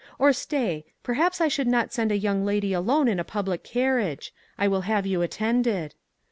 Or stay; perhaps I should not send a young lady alone in a public carriage. I will have you attended."